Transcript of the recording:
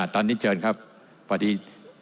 ตอนนี้เจิญครับพอดี